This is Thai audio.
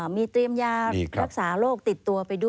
มีเตรียมยารักษาโรคติดตัวไปด้วย